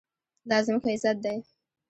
دا زموږ عزت دی